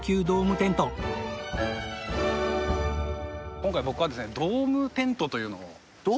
今回僕はですね。